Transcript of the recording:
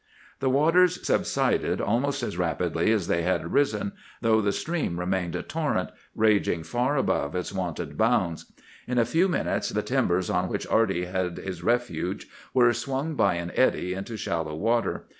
"The waters subsided almost as rapidly as they had risen, though the stream remained a torrent, raging far above its wonted bounds. In a few minutes the timbers on which Arty had his refuge were swung by an eddy into shallow water.